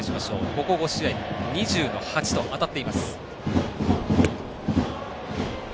ここ５試合２０の８と当たっています。